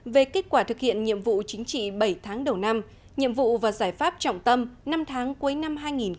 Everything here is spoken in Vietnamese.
về kết quả thực hiện nhiệm vụ chính trị bảy tháng đầu năm nhiệm vụ và giải pháp trọng tâm năm tháng cuối năm hai nghìn hai mươi